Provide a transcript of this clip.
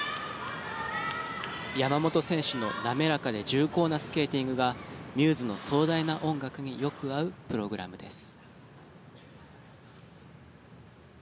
山本選手の滑らかで重厚なスケーティングがミューズの壮大な音楽によく合うプログラムです。